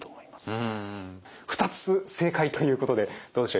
２つ正解ということでどうでしょう？